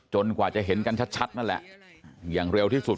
กว่าจะเห็นกันชัดนั่นแหละอย่างเร็วที่สุด